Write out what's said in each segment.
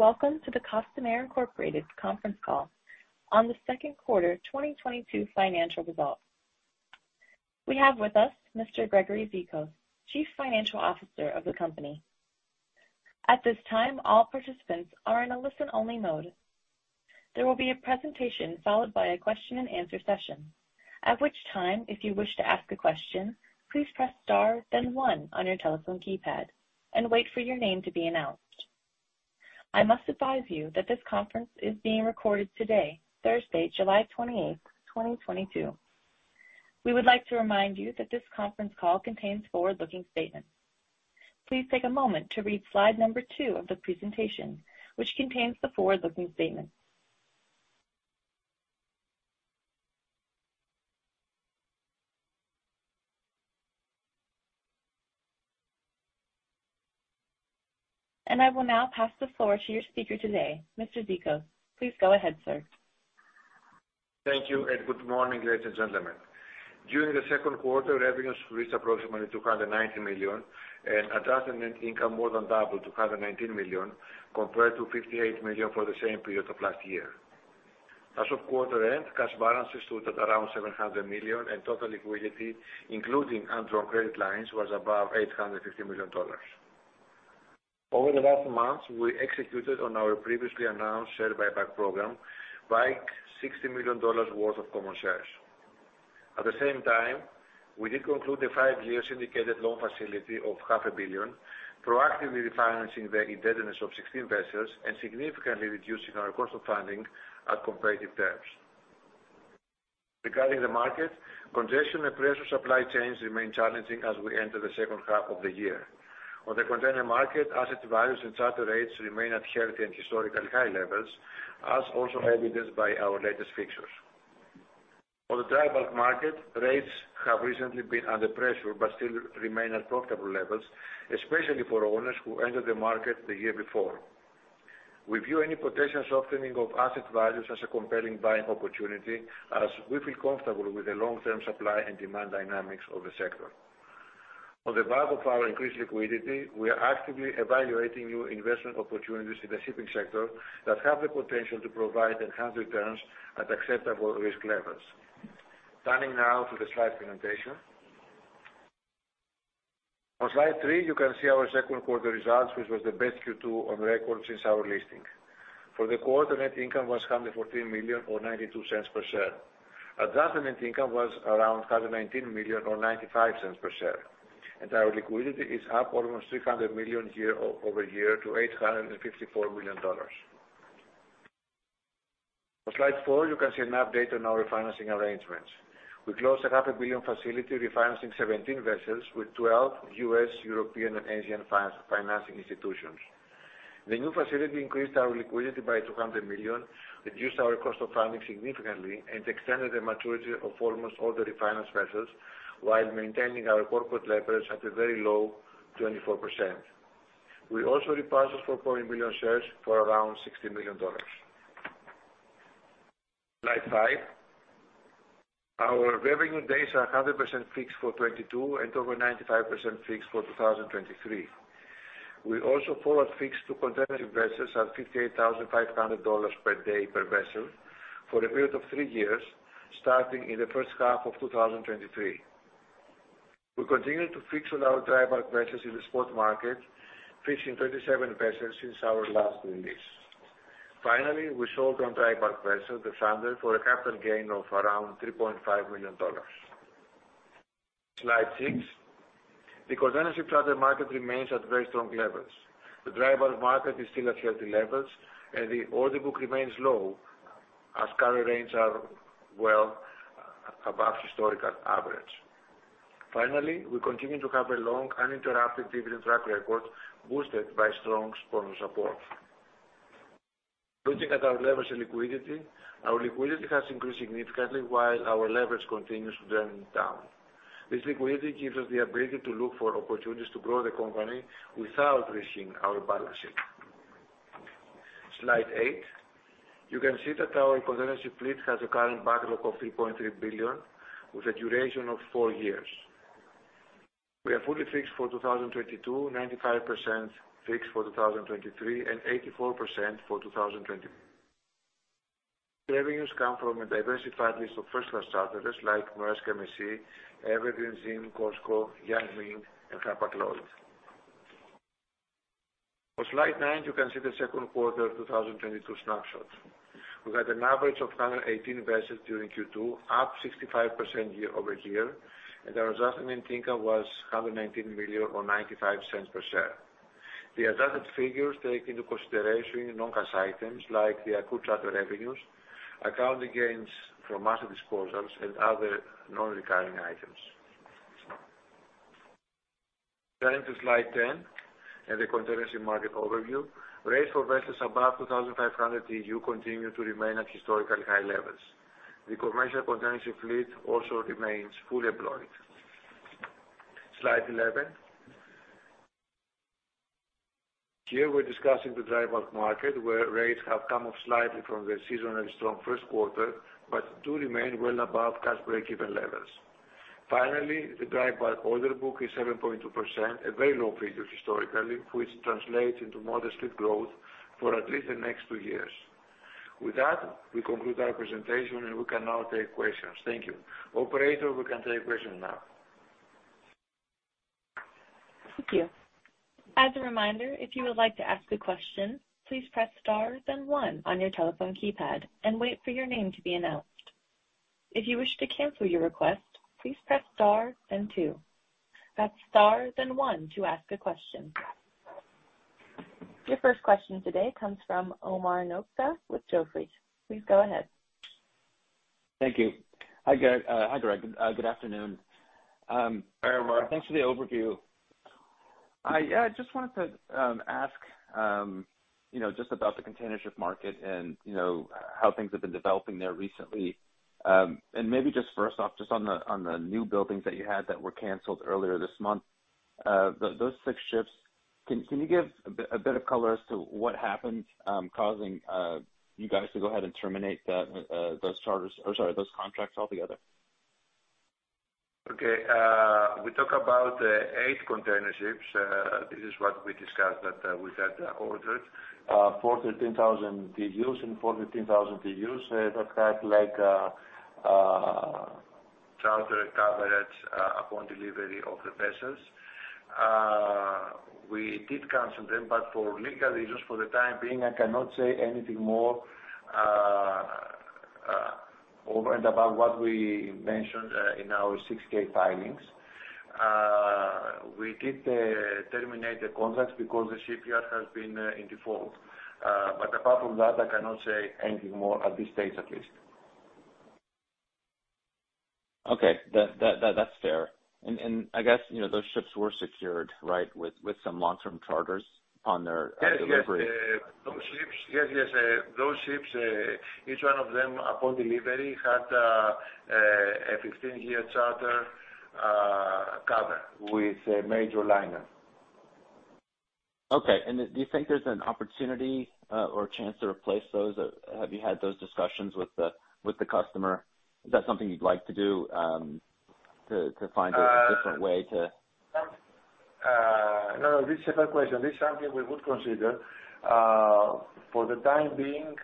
Welcome to the Costamare Inc. Conference Call on the Q2 2022 Financial Results. We have with us Mr. Gregory Zikos, Chief Financial Officer of the company. At this time, all participants are in a listen-only mode. There will be a presentation followed by a question-and-answer session. At which time, if you wish to ask a question, please press star then one on your telephone keypad and wait for your name to be announced. I must advise you that this conference is being recorded today, Thursday, July 28, 2022. We would like to remind you that this conference call contains forward-looking statements. Please take a moment to read slide number two of the presentation, which contains the forward-looking statement. I will now pass the floor to your speaker today, Mr. Zikos. Please go ahead, sir. Thank you, and good morning, ladies and gentlemen. During the second quarter, revenues reached approximately $290 million and adjusted net income more than doubled to $119 million, compared to $58 million for the same period of last year. As of quarter end, cash balances stood at around $700 million, and total liquidity, including undrawn credit lines, was above $850 million. Over the last months, we executed on our previously announced share buyback program by $60 million worth of common shares. At the same time, we did conclude the five-year syndicated loan facility of $0.5 billion, proactively refinancing the indebtedness of 16 vessels and significantly reducing our cost of funding at competitive terms. Regarding the market, congestion and pressure supply chains remain challenging as we enter the second half of the year. On the container market, asset values and charter rates remain at healthy and historically high levels, as also evidenced by our latest fixtures. On the dry bulk market, rates have recently been under pressure but still remain at profitable levels, especially for owners who entered the market the year before. We view any potential softening of asset values as a compelling buying opportunity, as we feel comfortable with the long-term supply and demand dynamics of the sector. On the back of our increased liquidity, we are actively evaluating new investment opportunities in the shipping sector that have the potential to provide enhanced returns at acceptable risk levels. Turning now to the slide presentation. On slide three, you can see our second quarter results, which was the best Q2 on record since our listing. For the quarter, net income was $114 million or $0.92 per share. Adjusted net income was around $119 million or $0.95 per share. Our liquidity is up almost $600 million year-over-year to $854 million. On slide four, you can see an update on our refinancing arrangements. We closed a half a billion facility refinancing 17 vessels with 12 US, European, and Asian financing institutions. The new facility increased our liquidity by $200 million, reduced our cost of funding significantly, and extended the maturity of almost all the refinanced vessels while maintaining our corporate leverage at a very low 24%. We also repurchased 4.1 million shares for around $60 million. Slide five. Our revenue days are 100% fixed for 2022 and over 95% fixed for 2023. We also forward fixed two container vessels at $58,500 per day per vessel for a period of three years, starting in the first half of 2023. We continue to fix on our dry bulk vessels in the spot market, fixing 37 vessels since our last release. Finally, we sold one dry bulk vessel, the Thunder, for a capital gain of around $3.5 million. Slide six, the containership charter market remains at very strong levels. The dry bulk market is still at healthy levels, and the order book remains low as current rates are well above historical average. Finally, we continue to have a long uninterrupted dividend track record boosted by strong sponsor support. Looking at our levels of liquidity, our liquidity has increased significantly while our leverage continues to trend down. This liquidity gives us the ability to look for opportunities to grow the company without risking our balance sheet. Slide eight, you can see that our containership fleet has a current backlog of $3.3 billion with a duration of four years. We are fully fixed for 2022, 95% fixed for 2023, and 84% for 2024. Revenues come from a diversified list of first-class charterers like Maersk, Evergreen Marine, ZIM, COSCO, Yang Ming, and Hapag-Lloyd. On slide nine, you can see the second quarter 2022 snapshot. We had an average of 118 vessels during Q2, up 65% year-over-year, and our adjusted net income was $119 million or $0.95 per share. The adjusted figures take into consideration non-cash items like the accrued charter revenues, accounting gains from asset disposals, and other non-recurring items. Turning to slide 10 and the containership market overview. Rates for vessels above 2,500 TEU continue to remain at historically high levels. The commercial containership fleet also remains fully employed. Slide 11. Here we're discussing the dry bulk market, where rates have come up slightly from the seasonally strong first quarter but do remain well above cash break-even levels. Finally, the dry bulk order book is 7.2%, a very low figure historically, which translates into modest fleet growth for at least the next two years. With that, we conclude our presentation, and we can now take questions. Thank you. Operator, we can take questions now. Thank you. As a reminder, if you would like to ask a question, please press star then one on your telephone keypad and wait for your name to be announced. If you wish to cancel your request, please press star then two. That's star then one to ask a question. Your first question today comes from Omar Nokta with Jefferies. Please go ahead. Thank you. Hi, Greg. Good afternoon. Hi, Omar. Thanks for the overview. Yeah, I just wanted to ask, you know, just about the container ship market and, you know, how things have been developing there recently. Maybe just first off, just on the new buildings that you had that were canceled earlier this month. Those six ships, can you give a bit of color as to what happened causing you guys to go ahead and terminate those charters or, sorry, those contracts altogether? Okay. We talk about eight container ships. This is what we discussed that we had ordered four 13,000 TEUs and four 15,000 TEUs that had like charter coverage upon delivery of the vessels. We did cancel them, but for legal reasons, for the time being, I cannot say anything more over and above what we mentioned in our Form 6-K filings. We did terminate the contracts because the shipyard has been in default. Apart from that, I cannot say anything more, at this stage at least. Okay. That's fair. I guess, you know, those ships were secured, right? With some long-term charters on their delivery. Yes. Those ships, each one of them upon delivery, had a 15-year charter covered with a major liner. Okay. Do you think there's an opportunity, or a chance to replace those? Or have you had those discussions with the customer? Is that something you'd like to do to find- Uh- ...a different way to? No, this is a fair question. This is something we would consider. For the time being,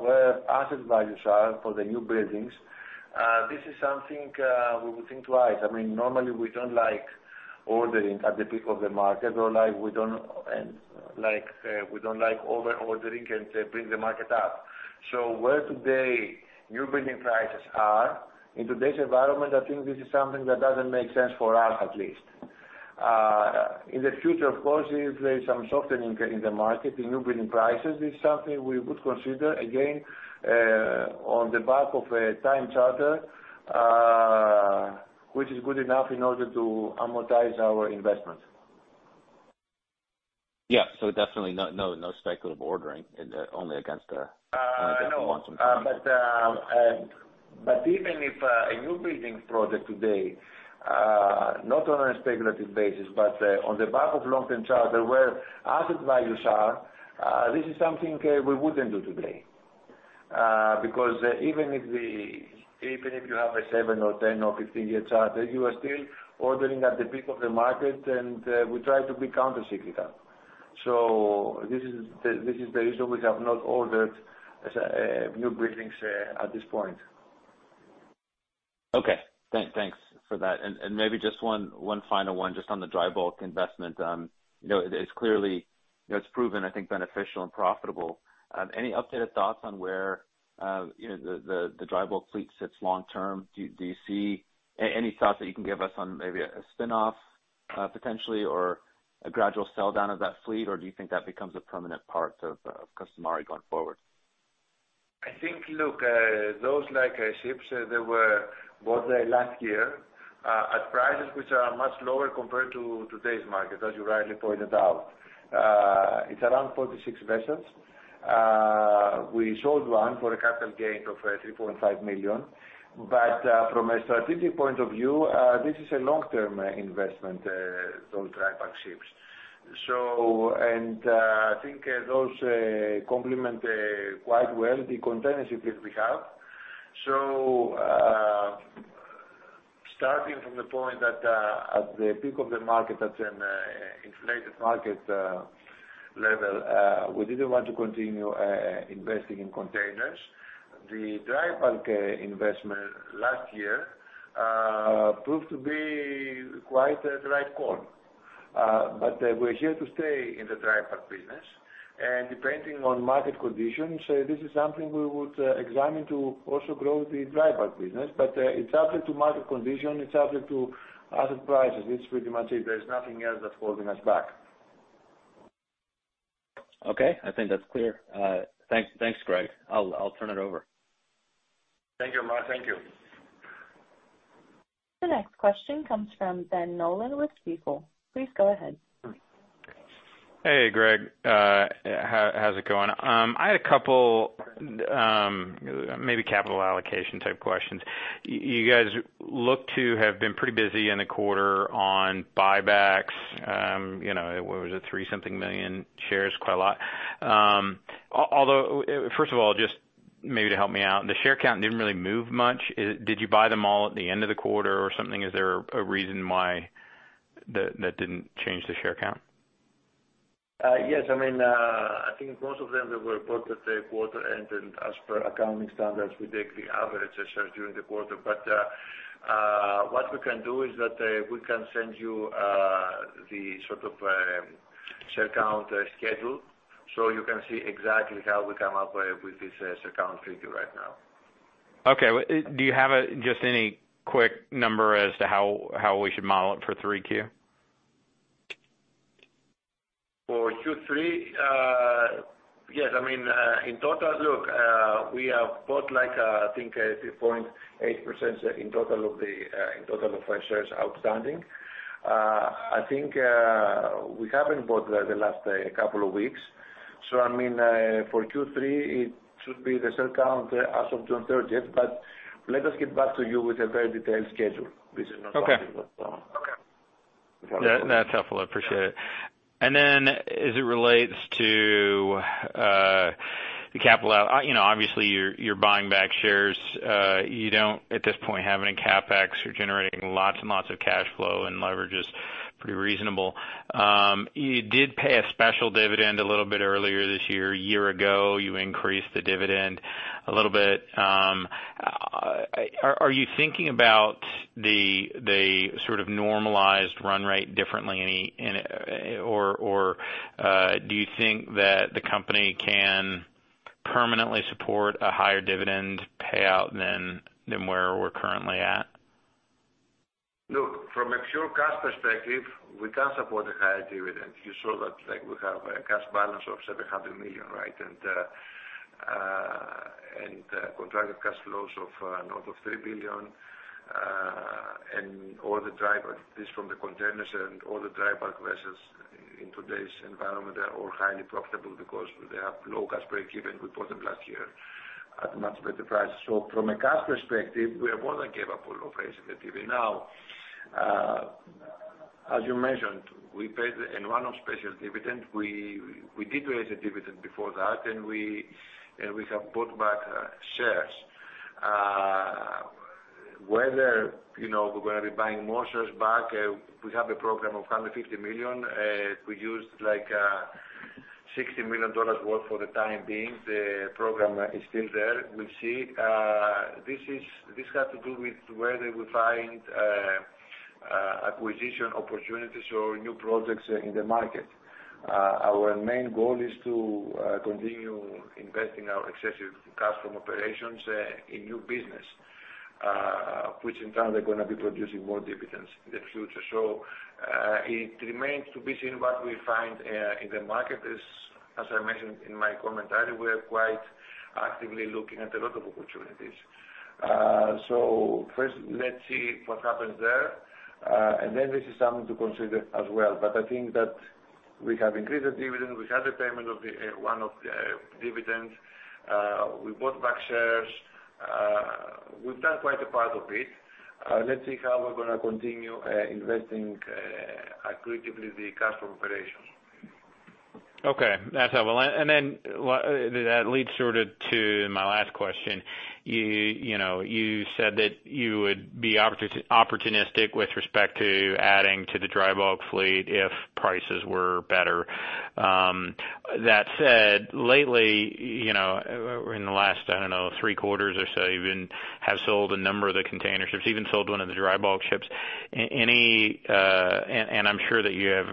where asset values are for the new buildings, this is something we would think twice. I mean, normally, we don't like ordering at the peak of the market or, like, we don't like over-ordering, which can bring the market up. Where today new building prices are in today's environment, I think this is something that doesn't make sense for us, at least. In the future, of course, if there's some softening in the market, the new building prices is something we would consider again, on the back of a time charter, which is good enough in order to amortize our investment. Yeah. Definitely no speculative ordering. Only against long-term charters. Even if a new building project today, not on a speculative basis, but on the back of long-term charter, where asset values are, this is something we wouldn't do today. Because even if you have a seven or 10- or 15-year charter, you are still ordering at the peak of the market, and we try to be counter-cyclical. This is the reason we have not ordered new buildings at this point. Okay. Thanks for that. Maybe just one final one just on the dry bulk investment. You know, it's clearly, you know, it's proven, I think, beneficial and profitable. Any updated thoughts on where, you know, the dry bulk fleet sits long-term? Do you see any thoughts that you can give us on maybe a spinoff, potentially or a gradual sell-down of that fleet? Or do you think that becomes a permanent part of Costamare going forward? I think, look, those like ships, they were bought last year at prices which are much lower compared to today's market, as you rightly pointed out. It's around 46 vessels. We sold one for a capital gain of $3.5 million. From a strategic point of view, this is a long-term investment, those dry bulk ships. I think those complement quite well the container ships that we have. Starting from the point that, at the peak of the market, at an inflated market level, we didn't want to continue investing in containers. The dry bulk investment last year proved to be quite a right call. We're here to stay in the dry bulk business. Depending on market conditions, this is something we would examine to also grow the dry bulk business. It's up to market conditions, it's up to asset prices. It's pretty much it. There's nothing else that's holding us back. Okay. I think that's clear. Thanks, Greg. I'll turn it over. Thank you, Omar. Thank you. The next question comes from Ben Nolan with Stifel. Please go ahead. Hey, Greg. How's it going? I had a couple maybe capital allocation type questions. You guys look to have been pretty busy in the quarter on buybacks. You know, what was it? Three-something million shares? Quite a lot. Although, first of all, maybe to help me out, the share count didn't really move much. Did you buy them all at the end of the quarter or something? Is there a reason why that didn't change the share count? Yes. I mean, I think most of them they were bought at the quarter end, and as per accounting standards, we take the average shares during the quarter. What we can do is that we can send you the sort of share count schedule so you can see exactly how we come up with this share count figure right now. Okay. Do you have just any quick number as to how we should model it for 3Q? For Q3? Yes. I mean, in total, we have bought like, I think, 3.8% in total of our shares outstanding. I think, we haven't bought the last couple of weeks. I mean, for Q3 it should be the share count as of June 30th. Let us get back to you with a very detailed schedule. This is not something that's long. Okay. Without a problem. Yeah, that's helpful. Appreciate it. As it relates to the capital, you know, obviously you're buying back shares. You don't at this point have any CapEx. You're generating lots and lots of cash flow, and leverage is pretty reasonable. You did pay a special dividend a little bit earlier this year. A year ago you increased the dividend a little bit. Do you think that the company can permanently support a higher dividend payout than where we're currently at? Look, from a pure cash perspective, we can support a higher dividend. You saw that, like, we have a cash balance of $700 million, right? Contracted cash flows north of $3 billion. All the dry bulk, at least from the containers and all the dry bulk vessels in today's environment are all highly profitable because they have low cash break-even. We bought them last year at much better prices. From a cash perspective, we are more than capable of raising the dividend. Now, as you mentioned, we paid a one-off special dividend. We did raise the dividend before that and we have bought back shares. Whether, you know, we're gonna be buying more shares back, we have a program of $150 million. We used like $60 million worth for the time being. The program is still there. We'll see. This has to do with whether we find acquisition opportunities or new projects in the market. Our main goal is to continue investing our excess cash from operations in new business, which in turn are gonna be producing more dividends in the future. It remains to be seen what we find in the market. As I mentioned in my commentary, we are quite actively looking at a lot of opportunities. First let's see what happens there, and then this is something to consider as well. I think that we have increased the dividend. We had the payment of the one-off dividend. We bought back shares. We've done quite a part of it. Let's see how we're gonna continue, investing, accretively the cash from operations. Okay. That's helpful. That leads sort of to my last question. You know, you said that you would be opportunistic with respect to adding to the dry bulk fleet if prices were better. That said, lately, you know, in the last, I don't know, three quarters or so even, have sold a number of the container ships, even sold one of the dry bulk ships. I'm sure that you have,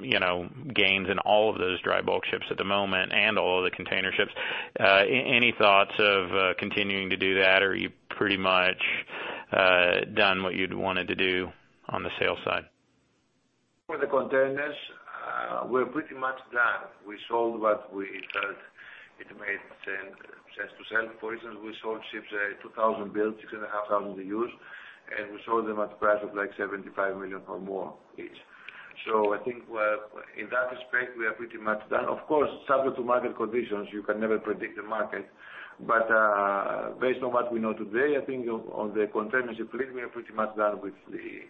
you know, gains in all of those dry bulk ships at the moment and all of the container ships. Any thoughts of continuing to do that? Or you pretty much done what you'd wanted to do on the sales side? For the containers, we're pretty much done. We sold what we felt it made sense to sell. For instance, we sold ships, 2000-built, 6,500 TEU, and we sold them at price of like $75 million or more each. I think in that respect, we are pretty much done. Of course, subject to market conditions, you can never predict the market. Based on what we know today, I think on the container ship fleet, we are pretty much done with the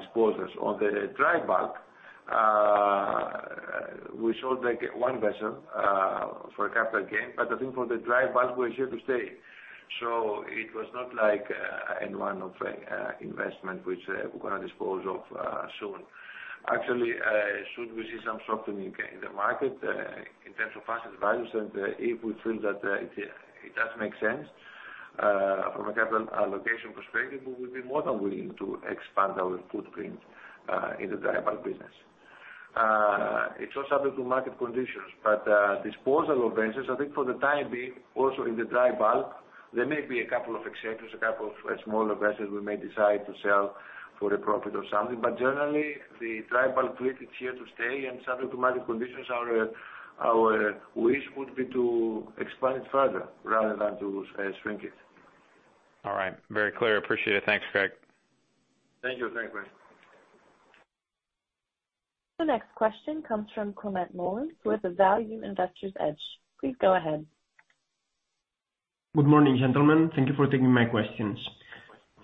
disposals. On the dry bulk, we sold like one vessel for a capital gain, but I think for the dry bulk we're here to stay. It was not like a one-off investment which we're gonna dispose of soon. Actually, should we see some softening in the market in terms of asset values, and if we feel that it does make sense from a capital allocation perspective, we would be more than willing to expand our footprint in the dry bulk business. It's all subject to market conditions, but disposal of vessels, I think for the time being, also in the dry bulk, there may be a couple of exceptions, a couple of smaller vessels we may decide to sell for a profit or something. Generally, the dry bulk fleet is here to stay. Subject to market conditions, our wish would be to expand it further rather than to shrink it. All right. Very clear. Appreciate it. Thanks, Greg. Thank you. Thanks, Chris. The next question comes from Climent Molins with the Value Investor's Edge. Please go ahead. Good morning, gentlemen. Thank you for taking my questions.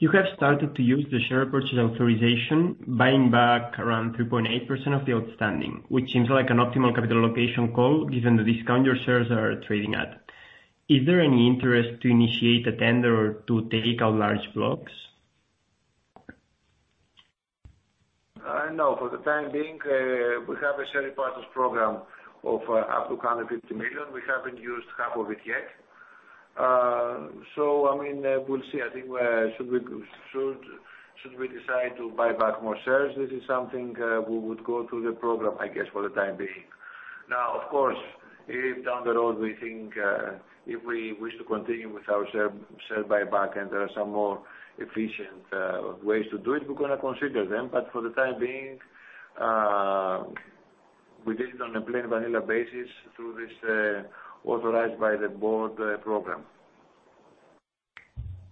You have started to use the share purchase authorization, buying back around 3.8% of the outstanding, which seems like an optimal capital allocation call given the discount your shares are trading at. Is there any interest to initiate a tender or to take out large blocks? No, for the time being, we have a share purchase program of up to $150 million. We haven't used half of it yet. So I mean, we'll see. I think, should we decide to buy back more shares, this is something we would go through the program, I guess for the time being. Now, of course, if down the road we think, if we wish to continue with our share buyback and there are some more efficient ways to do it, we're gonna consider them. For the time being, we did it on a plain vanilla basis through this authorized by the board program.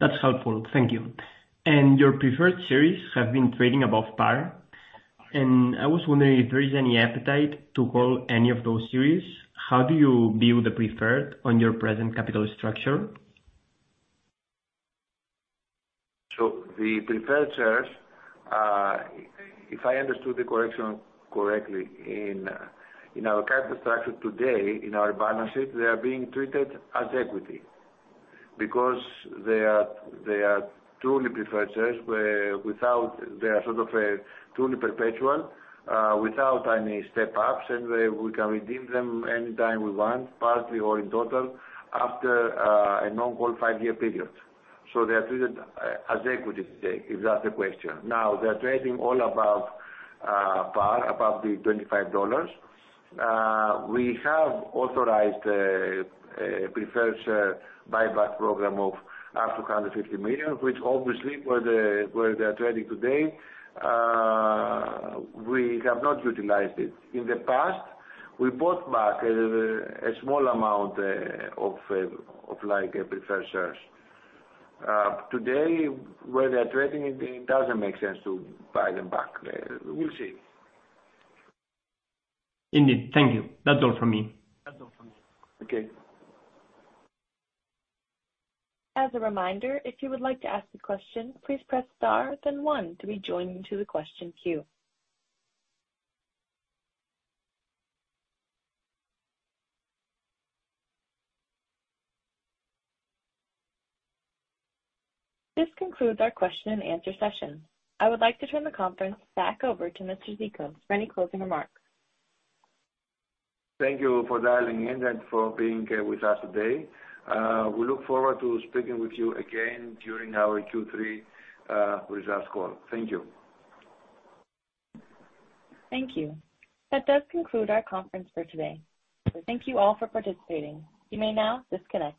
That's helpful. Thank you. Your preferred shares have been trading above par. I was wondering if there is any appetite to call any of those series. How do you view the preferred on your present capital structure? The preferred shares, if I understood the question correctly, in our capital structure today, in our balances, they are being treated as equity because they are truly preferred shares where without they are sort of truly perpetual, without any step-ups, and we can redeem them any time we want, partly or in total after a non-call five-year period. They are treated as equity today, if that's the question. Now, they are trading all above par, above the $25. We have authorized a preferred share buyback program of up to $150 million, which obviously where they are trading today, we have not utilized it. In the past, we bought back a small amount of like preferred shares. Today, where they are trading, it doesn't make sense to buy them back. We'll see. Indeed. Thank you. That's all from me. Okay. As a reminder, if you would like to ask a question, please press star then one to be joined into the question queue. This concludes our question and answer session. I would like to turn the conference back over to Mr. Zikos for any closing remarks. Thank you for dialing in and for being with us today. We look forward to speaking with you again during our Q3 results call. Thank you. Thank you. That does conclude our conference for today. Thank you all for participating. You may now disconnect.